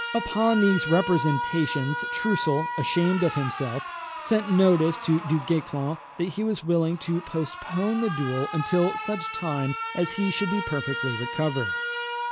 Upon these representations, Troussel, ashamed of himself, sent notice to Du Guesclin that he was willing to postpone the duel until such time as he should be perfectly recovered.